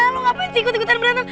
lo ngapain sih gue takut gakut